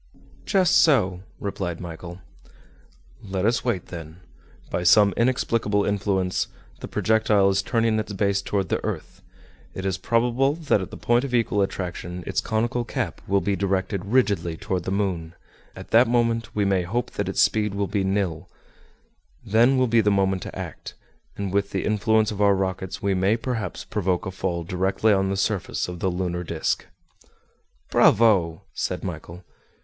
"Just so," replied Michel. "Let us wait, then. By some inexplicable influence, the projectile is turning its base toward the earth. It is probable that at the point of equal attraction, its conical cap will be directed rigidly toward the moon; at that moment we may hope that its speed will be nil; then will be the moment to act, and with the influence of our rockets we may perhaps provoke a fall directly on the surface of the lunar disc." "Bravo!" said Michel.